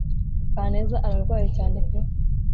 kaneza ararwaye cyane pe